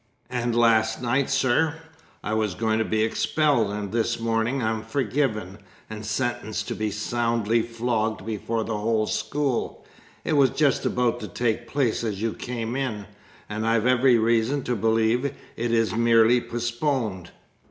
And last night, sir, I was going to be expelled; and this morning I'm forgiven, and sentenced to be soundly flogged before the whole school! It was just about to take place as you came in; and I've every reason to believe it is merely postponed!"